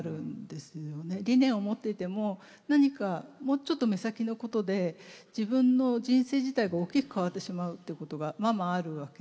理念を持っていても何かもうちょっと目先のことで自分の人生自体が大きく変わってしまうってことがままあるわけで。